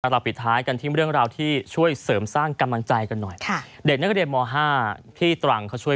เราปิดท้ายกันที่เรื่องราวที่ช่วยเสริมสร้างกำลังใจกันหน่อย